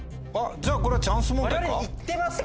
じゃあこれはチャンス問題か。